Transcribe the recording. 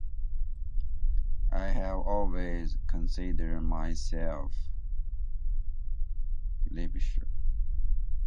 I have always considered myself bisexual.